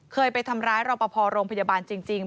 เคยไปทำร้ายรอปภโรงพยาบาลจริง